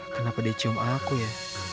kenapa dia cium aku ya